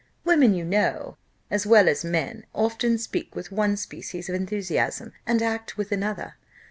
Women, you know, as well as men, often speak with one species of enthusiasm, and act with another.